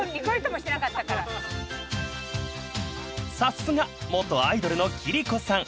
［さすが元アイドルの貴理子さん］